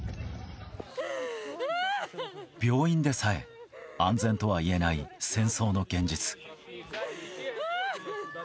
病院でさえ安全とはいえない戦争の現実。